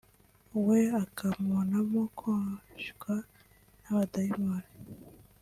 we akamubonamo koshywa n’abadayimoni